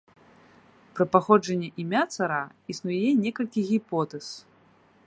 Пра паходжанне імя цара існуе некалькі гіпотэз.